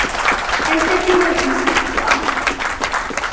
Anta tin ur d-nesteqsa.